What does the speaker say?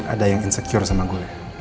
ada yang insecure sama gue